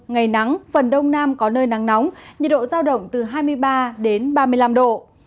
ngày nắng phần đông nam có nơi nắng nóng nhiệt độ giao động từ hai mươi ba đến ba mươi năm độ